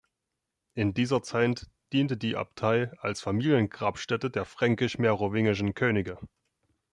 In dieser Zeit diente die Abtei als Familiengrabstätte der fränkisch-merowingischen Könige.